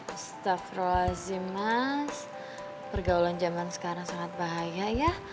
astagfirullahaladzim mas pergaulan zaman sekarang sangat bahaya ya